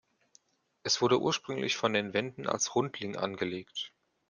Es wurde ursprünglich von den Wenden als Rundling angelegt.